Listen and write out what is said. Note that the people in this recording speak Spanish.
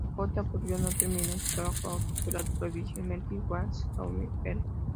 Capote, aburrido, no terminó su trabajo titulado provisionalmente "It Will Soon Be Here".